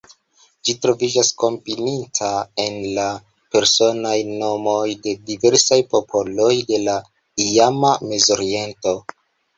Ĝi troviĝas kombinita en la personaj nomoj de diversaj popoloj de la iama Mezoriento.